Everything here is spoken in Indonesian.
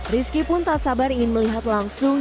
rizky pun tak sabar ingin melihat langsung